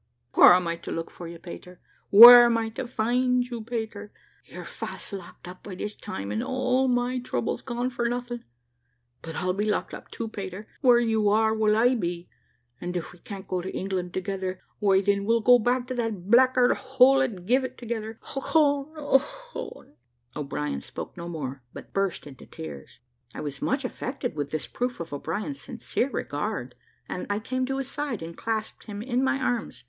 Where am I to look for you, Pater? Where am I to find you, Pater? You're fast locked up by this time, and all my trouble's gone for nothing. But I'll be locked up too, Pater. Where you are, will I be; and if we can't go to England together, why then we'll go back to that blackguard hole at Givet together. Ochone! Ochone!" O'Brien spoke no more, but burst into tears. I was much affected with this proof of o'brien's sincere regard, and I came to his side, and clasped him in my arms.